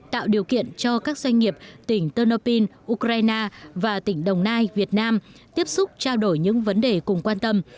tạo điều kiện cho các doanh nghiệp tỉnh tanopine ukraine và tỉnh đồng nai việt nam tiếp xúc trao đổi những vấn đề cùng quan tâm